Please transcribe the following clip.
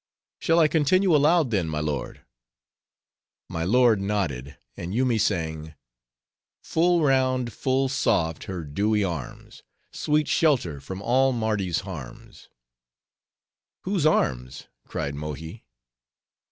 "Shall I continue aloud, then, my lord?" My lord nodded, and Yoomy sang:— "Full round, full soft, her dewy arms,— Sweet shelter from all Mardi's harms!" "Whose arms?" cried Mohi.